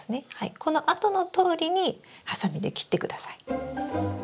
この跡のとおりにハサミで切ってください。